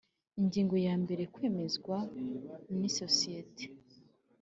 Ingingo ya mbere Kwemezwa n isosiyete